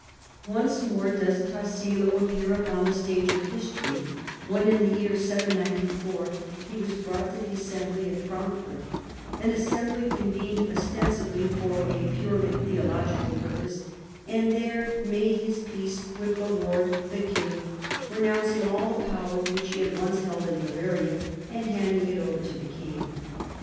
Once more does Tassilo ap pear upon the stage of history, when in the year 794 he was brought to the assembly at Frankfort (an assembly convened ostensibly for a purely theological purpose) and there " made his peace with REVOLTS AND CONSPIRACIES. 183 the lord the king, renouncing all the power which he had once held in Bavaria and handing it over to the king."